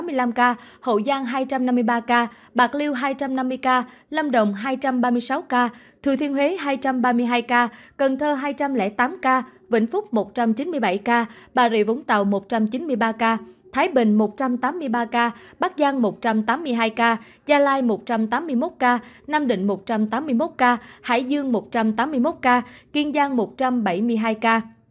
bến tre hai trăm tám mươi năm ca hậu giang hai trăm năm mươi ba ca bạc liêu hai trăm năm mươi ca lâm động hai trăm ba mươi sáu ca thừa thiên huế hai trăm ba mươi hai ca cần thơ hai trăm linh tám ca vĩnh phúc một trăm chín mươi bảy ca bà rịa vũng tàu một trăm chín mươi ba ca thái bình một trăm tám mươi ba ca bắc giang một trăm tám mươi hai ca gia lai một trăm tám mươi một ca nam định một trăm tám mươi một ca hải dương một trăm tám mươi một ca kiên giang một trăm bảy mươi hai ca